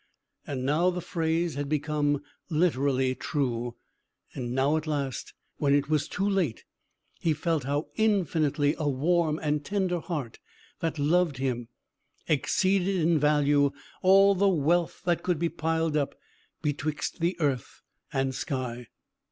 And now the phrase had become literally true. And, now, at last, when it was too late, he felt how infinitely a warm and tender heart, that loved him, exceeded in value all the wealth that could be piled up betwixt the earth and sky!